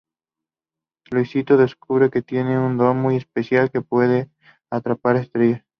Luisito descubre que tiene un don muy especial: puede atrapar estrellas.